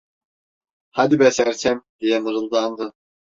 "Hadi be sersem…" diye mırıldandı.